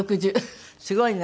すごいな。